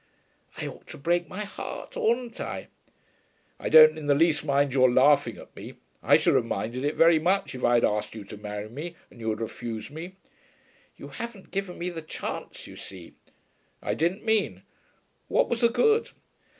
"I ought to break my heart; oughtn't I?" "I don't in the least mind your laughing at me. I should have minded it very much if I had asked you to marry me, and you had refused me." "You haven't given me the chance, you see." "I didn't mean. What was the good?"